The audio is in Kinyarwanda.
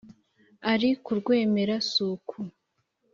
ari ku rwemera suku